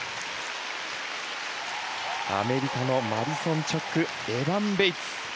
アメリカのマディソン・チョックエバン・ベイツ。